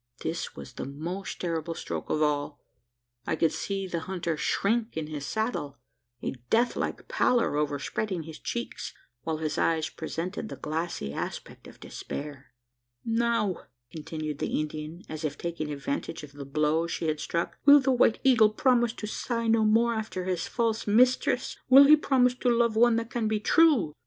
This was the most terrible stroke of all. I could see the hunter shrink in his saddle, a death like pallor over spreading his cheeks, while his eyes presented the glassy aspect of despair. "Now!" continued the Indian, as if taking advantage of the blow she had struck, "will the White Eagle promise to sigh no more after his false mistress? Will he promise to love one that can be true?"